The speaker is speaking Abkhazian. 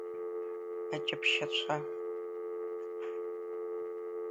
Аҷаԥшьацәа…